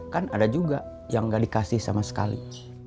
kan ada juga yang gak dikasih sama sekali